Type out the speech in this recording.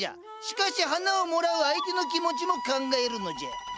しかし花をもらう相手の気持ちも考えるのじゃ！